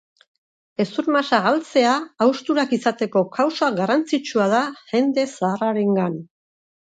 Hezur-masa galtzea hausturak izateko kausa garrantzitsua da jende zaharrarengan.